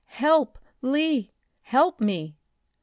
"Help, Lee! Help me!"